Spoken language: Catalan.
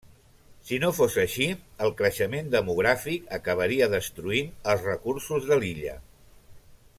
Si no fos així, el creixement demogràfic acabaria destruint els recursos de l'illa.